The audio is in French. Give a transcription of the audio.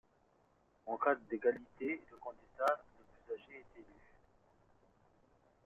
En cas d'égalité, le candidat le plus âgé est élu.